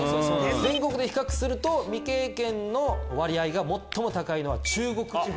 全国で比較すると未経験の割合が最も高いのは中国地方。